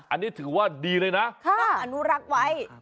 อันนี้ถือว่าดีเลยนะต้องอนุรักษ์ไว้